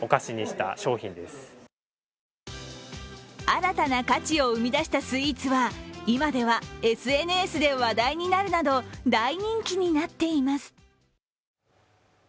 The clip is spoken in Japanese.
新たな価値を生み出したスイーツは今ではＳＮＳで話題になるなど大人気になっています。